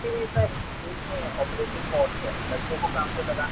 زه الله جل جلاله ته صبر کوم.